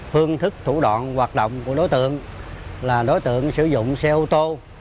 phương thức thủ đoạn hoạt động của đối tượng là đối tượng sử dụng xe ô tô